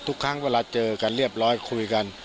ทุกครั้งเวลาเจอกันเรียบร้อยคุยกัน